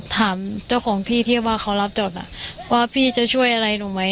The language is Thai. ถามเจ้าของที่ที่ว่าเขารับจดว่าพี่จะช่วยอะไรหนูไหม